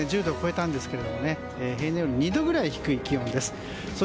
１０度を超えたんですけれども平年より２度くらい低い気温です。